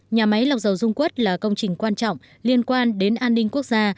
nhà máy lọc dầu dung quất là công trình quan trọng liên quan đến an ninh quốc gia